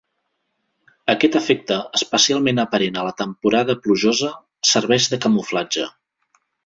Aquest efecte, especialment aparent a la temporada plujosa, serveix de camuflatge.